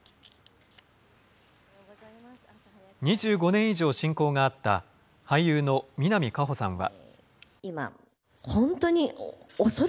２５年以上、親交があった俳優の南果歩さんは。